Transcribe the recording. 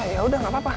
ya udah gapapa